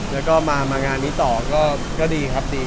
แล้วก็มางานนี้ต่อก็ดีครับดี